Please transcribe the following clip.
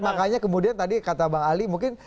makanya kemudian tadi kata bang ali mungkin